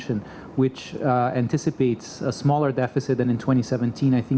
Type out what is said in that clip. yang mengharapkan kekurangan yang lebih kecil dari tahun dua ribu tujuh belas